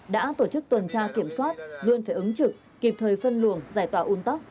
đã tổ chức tuần tra kiểm soát luôn phải ứng trực kịp thời phân luồng giải tỏa un tắc